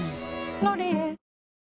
「ロリエ」